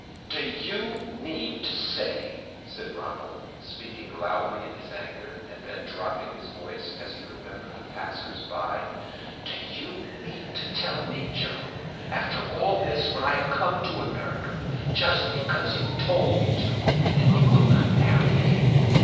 "Do you mean to say," said Ronald, speaking loudly in his anger, and then dropping his voice as he remembered the passers by, "do you mean to tell me, Joe, after all this, when I have come to America just because you told me to, that you will not marry me?